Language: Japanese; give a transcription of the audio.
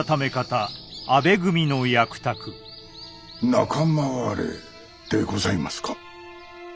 仲間割れでございますか？